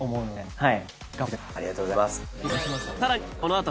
はい。